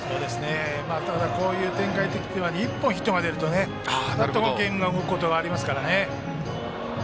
こういう展開の時は１本ヒットが出るとゲームが動くことがありますからね。